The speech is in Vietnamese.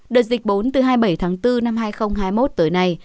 đợt dịch bốn từ hai mươi bảy tháng bốn năm hai nghìn hai mươi một tới nay